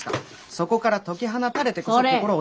そこから解き放たれてこそ心を。